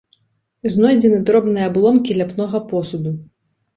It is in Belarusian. Знойдзены дробныя абломкі ляпнога посуду.